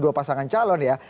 dua pasangan calon ya